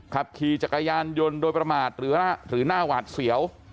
ขับขี่จักรยานยนต์โดยประมาทหรือหน้าหวาดเสียว